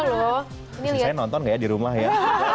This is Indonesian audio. sisa saya nonton gak ya di rumah ya